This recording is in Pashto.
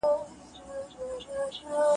موږ پرون په کتابتون کي پښتو مطالعه کوله.